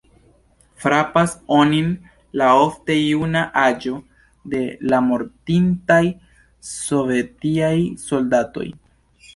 Frapas onin la ofte juna aĝo de la mortintaj sovetiaj soldatoj.